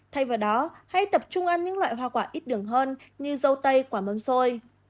thay vào đó hãy tập trung ăn những loại hoa quả ít đường hơn như dâu tây quả mấm xôi